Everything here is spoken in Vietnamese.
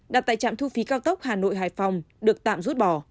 đặt tại trạm thu phí cao tốc hà nội hải phòng được tạm rút bỏ